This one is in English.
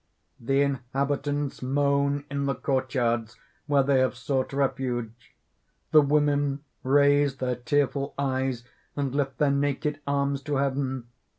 _ _The inhabitants moan in the courtyards where they have sought refuge. The women raise their tearful eyes and lift their naked arms to heaven.